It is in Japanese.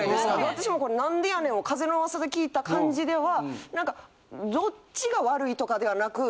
私のこの何でやねんを風の噂で聞いた感じでは何かどっちが悪いとかではなく。